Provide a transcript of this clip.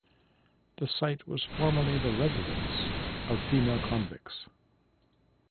The site was formally the "residence" of female convicts.